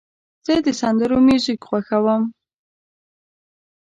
زه د سندرو میوزیک خوښوم.